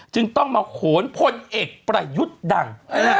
จึงต้องมาโขนพลเอกประยุทธ์ดัง